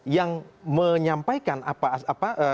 yang menyampaikan apa apa